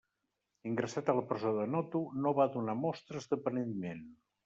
Ingressat a la presó de Noto no va donar mostres de penediment.